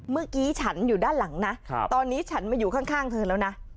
เมื่อกี้ฉันอยู่ด้านหลังนะตอนนี้ฉันมาอยู่ข้างเธอแล้วนะ